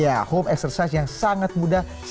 ya home exercise yang sangat mudah sangat gampang